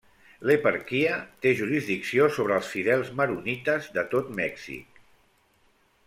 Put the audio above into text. L'eparquia té jurisdicció sobre els fidels maronites de tot Mèxic.